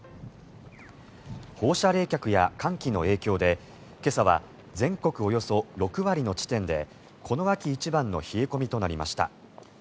放射冷却や寒気の影響で今朝は全国およそ６割の地点でこの秋一番の冷え込みとなりました。